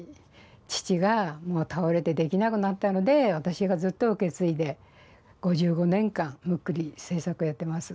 父が倒れてできなくなったので私がずっと受け継いで５５年間ムックリ製作やってます。